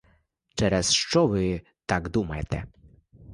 Через що ви так думаєте?